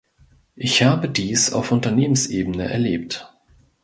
Ich habe dies auf Unternehmensebene erlebt.